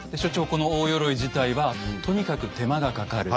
この大鎧自体はとにかく手間がかかる。